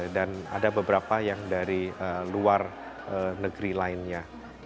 dan ada beberapa yang dari luar negeri lainnya